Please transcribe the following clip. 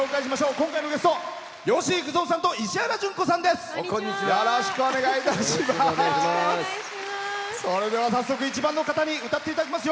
今回のゲスト、吉幾三さんと石原詢子さんです。